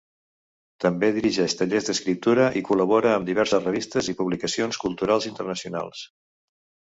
També dirigeix tallers d'escriptura i col·labora amb diverses revistes i publicacions culturals internacionals.